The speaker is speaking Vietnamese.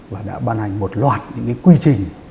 và đã bàn hành một loạt những quy trình